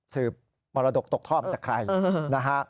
สืบประดกตกท่อมจากใครนะฮะ